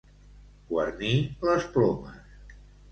Guarnir les plomes.